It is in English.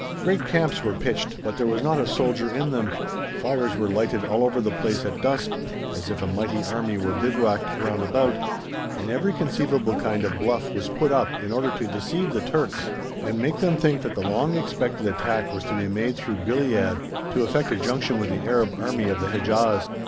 Great camps were pitched, but there was not a soldier in them; fires were lighted all over the place at dusk, as if a mighty army were bivouacked round about, and every conceivable kind of bluff was put up in order to deceive the Turks and make them think that the long expected attack was to be made through Gilead, to effect a junction with the Arab Army of the Hedjaz.